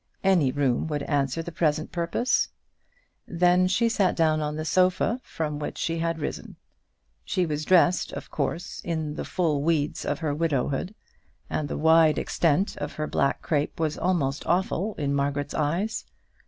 Any room would answer the present purpose. Then she sat down on the sofa from which she had risen. She was dressed, of course, in the full weeds of her widowhood, and the wide extent of her black crape was almost awful in Margaret's eyes.